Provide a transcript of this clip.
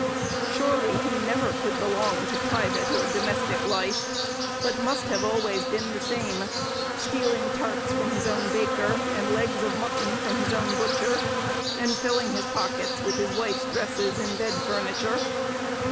Surely he never could belong to private or domestic life, but must have been always the same—stealing tarts from his own baker, and legs of mutton from his own butcher, and filling his pockets with his wife's dresses and bed furniture.